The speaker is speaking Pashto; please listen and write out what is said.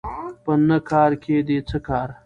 په نه کارکې دې څه کار